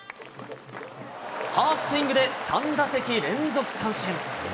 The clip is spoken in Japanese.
ハーフスイングで３打席連続三振。